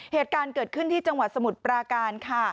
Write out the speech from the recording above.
เหตุการณ์เกิดขึ้นที่จังหวัดสมุทรปราการค่ะ